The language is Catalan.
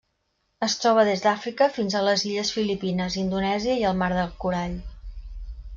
Es troba des d'Àfrica fins a les illes Filipines, Indonèsia i el mar del Corall.